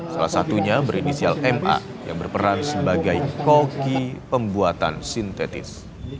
salah satunya berinisial ma yang berperan sebagai koki pembuatan sintetis